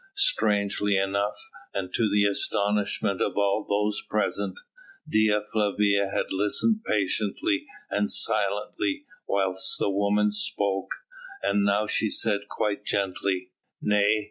Strangely enough, and to the astonishment of all those present, Dea Flavia had listened patiently and silently whilst the woman spoke, and now she said quite gently: "Nay!